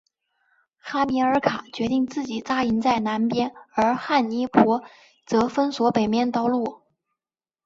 哈米尔卡决定自己扎营在南边而汉尼拔则封锁北面道路。